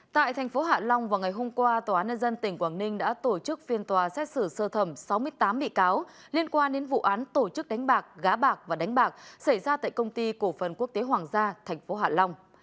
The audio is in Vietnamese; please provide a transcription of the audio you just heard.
tại thành phố hạ long vào ngày hôm qua tòa án nhân dân tỉnh quảng ninh đã tổ chức phiên tòa xét xử sơ thẩm sáu mươi tám bị cáo liên quan đến vụ án tổ chức đánh bạc gá bạc và đánh bạc xảy ra tại công ty cổ phần quốc tế hoàng gia tp hạ long